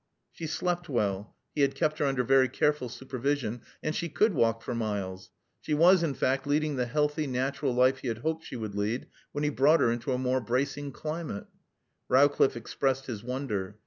She slept well (he had kept her under very careful supervision) and she could walk for miles. She was, in fact, leading the healthy natural life he had hoped she would lead when he brought her into a more bracing climate. Rowcliffe expressed his wonder.